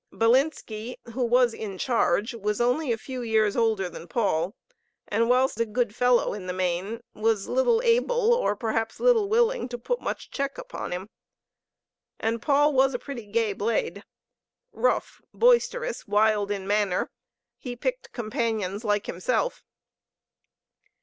Bilinski, who was in charge, was only a few years older than Paul; and whilst a good fellow in the main, was little able, or perhaps little willing, to put much check upon him. And Paul was a pretty gay blade. Rough, boisterous, wild in manner, he picked companions like himself.